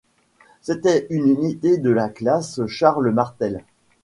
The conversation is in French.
C'était une unité de la classe Charles Martel.